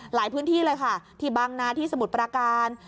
หลายพื้นที่เลยค่ะที่บางนาที่สมุทรปราการ